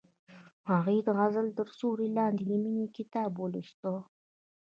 هغې د غزل تر سیوري لاندې د مینې کتاب ولوست.